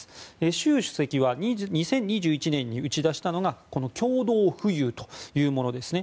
習主席が、２０２１年に打ち出したのが共同富裕というものです。